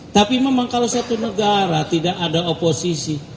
tapi memang kalau satu negara tidak ada oposisi